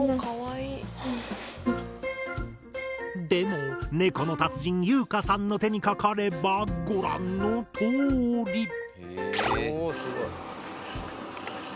でもネコの達人優花さんの手にかかればご覧のとおり。